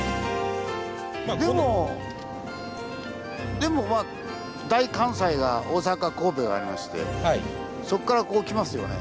でもまあ大関西が大阪神戸がありましてそっからこう来ますよね。